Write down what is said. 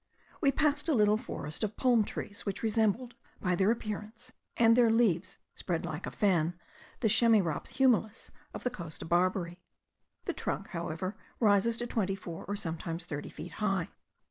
We passed a little forest of palm trees, which resembled, by their appearance, and their leaves spread like a fan, the Chamaerops humilis of the coast of Barbary. The trunk, however, rises to twenty four and sometimes thirty feet high.